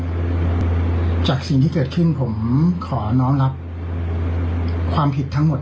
จากสิ่งที่เกิดขึ้นผมขอน้องรับความผิดทั้งหมด